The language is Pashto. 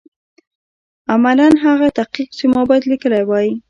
عملاً هغه تحقیق چې ما باید لیکلی وای.